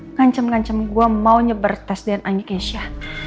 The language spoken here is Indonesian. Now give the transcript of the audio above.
ngancam ngancam gue mau nyebar tes dnanya ke asia